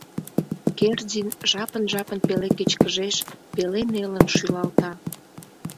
Кердин жапын-жапын пеле кечкыжеш, пеле нелын шӱлалта.